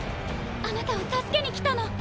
あなたを助けに来たの。